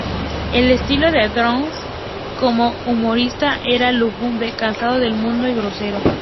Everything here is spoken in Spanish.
El estilo de Dawson como humorista era lúgubre, cansado del mundo y grosero.